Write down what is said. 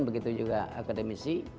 begitu juga akademisi